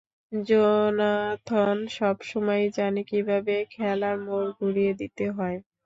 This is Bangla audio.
জোনাথন সবসময়ই জানে কীভাবে খেলার মোড় ঘুরিয়ে দিতে হয়!